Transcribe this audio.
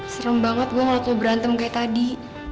serem banget gue ngeliat lo berantem kayak tadi